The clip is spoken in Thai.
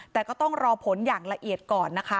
แต่ก็ต้องรอผลอย่างละเอียดก่อนนะคะ